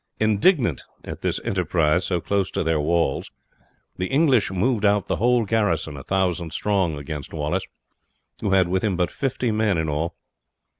Indignant at this enterprise so close to their walls the English moved out the whole garrison, 1000 strong, against Wallace, who had with him but fifty men in all.